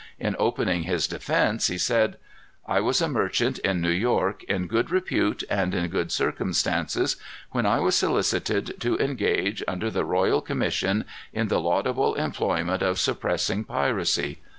In opening his defence, he said: "I was a merchant in New York, in good repute and in good circumstances, when I was solicited to engage, under the royal commission, in the laudable employment of suppressing piracy.